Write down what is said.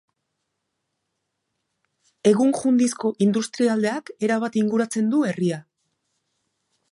Egun Jundizko industrialdeak erabat inguratzen du herria.